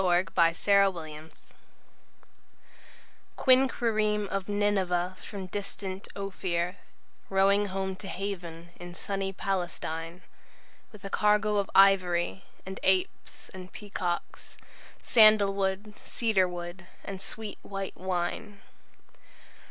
Cargoes By John Masefield QUINQUIREME of Nineveh from distant Ophir, Rowing home to haven in sunny Palestine, With a cargo of ivory, And apes and peacocks, Sandalwood, cedarwood, and sweet white wine.